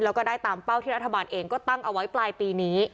แล้วก็ได้ตามเป้าที่รัฐบาลเองก็ตั้งเอาไว้ปลายปีนี้